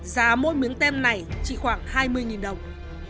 giá mỗi miếng tem này chỉ khoảng hai mươi đồng